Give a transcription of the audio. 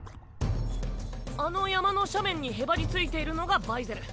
あの山の斜面にへばりついているのがバイゼル。